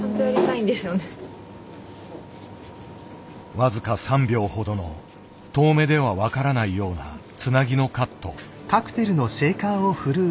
僅か３秒ほどの遠目では分からないようなつなぎのカット。